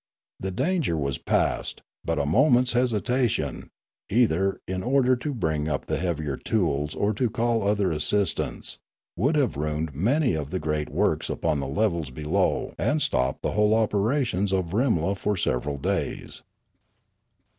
The danger was past; but a moment's hesitation, either in order to bring up the heavier tools or to call other assistance, would have ruined many of the great works upon the levels below and stopped the whole of the operations of Rimla for several days.